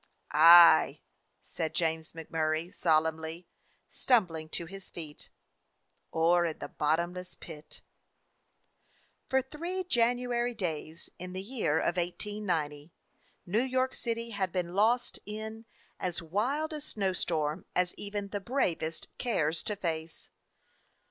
"Aye," said James MacMurray solemnly, stumbling to his feet, "or in the bottomless pit." For three January days, in the year of 189 , New York City had been lost in as wild a 266 A FIRE DOG OF NEW YORK snowstorm as even the bravest cares to face.